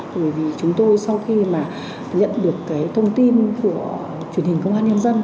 bởi vì chúng tôi sau khi mà nhận được cái thông tin của truyền hình công an nhân dân